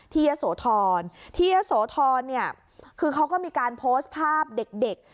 ที่เยอะโสธรที่เยอะโสธรคือเขาก็มีการโพสต์ภาพเด็ก